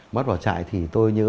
bắt vào trại thì tôi nhớ